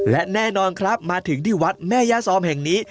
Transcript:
และแน่นอนครับมาถึงที่วัดแม่ย่าซอมแห่งนี้